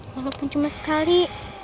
walaupun cuma sekali